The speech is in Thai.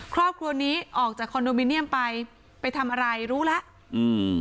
ครอบครัวนี้ออกจากคอนโดมิเนียมไปไปทำอะไรรู้แล้วอืม